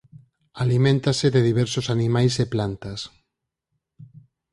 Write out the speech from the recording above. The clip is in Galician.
Aliméntase de diversos animais e plantas.